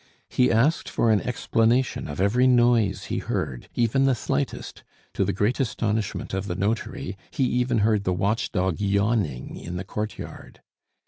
He asked for an explanation of every noise he heard, even the slightest; to the great astonishment of the notary, he even heard the watch dog yawning in the court yard.